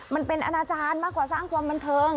มันเป็นอนาจารย์มากกว่าสร้างความบันเทิง